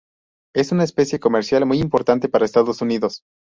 Es una especie comercial muy importante para Estados Unidos.